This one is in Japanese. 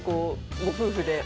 ご夫婦で。